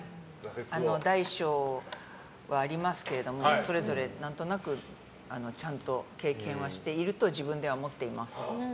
大小はありますけれどもそれぞれ何となくちゃんと経験はしていると自分では思っています。